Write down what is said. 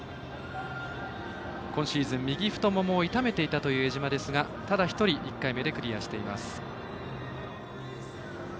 今シーズン右太ももを痛めていたという江島ですが、ただ１人１回目でクリアしています。